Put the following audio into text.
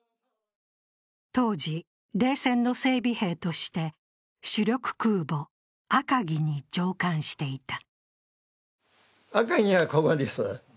当時、零戦の整備兵として主力空母「赤城」に乗艦していた。